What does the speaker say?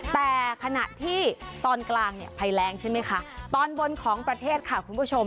แต่ขณะที่ตอนกลางเนี่ยภัยแรงใช่ไหมคะตอนบนของประเทศค่ะคุณผู้ชม